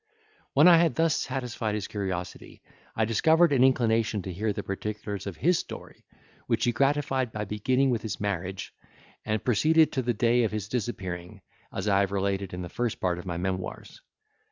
When I had thus satisfied his curiosity, I discovered an inclination to hear the particulars of his story, which he gratified by beginning with his marriage, and proceeded to the day of his disappearing, as I have related in the first part of my memoirs.